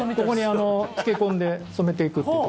ここに漬け込んで染めていく。